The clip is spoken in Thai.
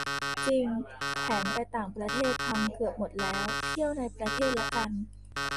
จริง แผนไปต่างประเทศพังเกือบหมดแล้ว เที่ยวในประเทศละกัน